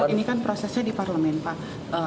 ini kan prosesnya di parlemen pak